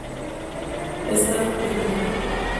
Está en peligro.